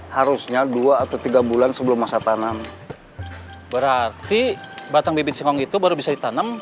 harusnya dua atau tiga bulan sebelum masa tanam berarti batang bibit singong itu baru bisa ditanam